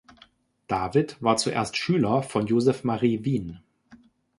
David war zuerst Schüler von Joseph-Marie Vien.